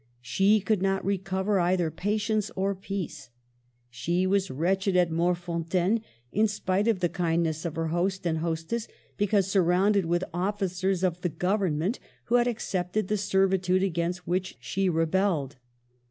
She could not recover either pa tience or peace. She was wretched at Morfon taine in spite of the kindness of her host and hostess, because surrounded with officers of the Government who had accepted the servitude against which she rebelled.